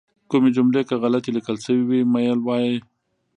کومې جملې که غلطې لیکل شوي وي مه یې وایئ.